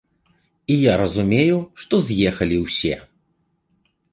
І я разумею, што з'ехалі ўсе.